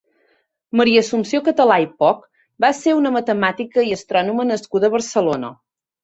Maria Assumpció Català i Poch va ser una matemàtica i astrònoma nascuda a Barcelona.